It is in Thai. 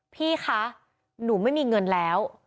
พี่คะหนูไม่มีเงินแล้ว